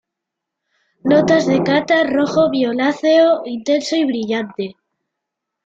Notas de Cata: Rojo violáceo, intenso y brillante.